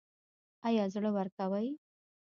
ایا زړه ورکوئ؟